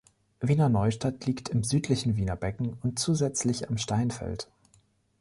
Wiener Neustadt liegt im südlichen Wiener Becken und zusätzlich am Steinfeld.